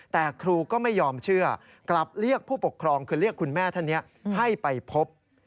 แต่ครูก็ไม่ยอมเชื่อกลับเรียกผู้ปกครองคือเรียกคุณแม่ท่านนี้ให้ไปพบ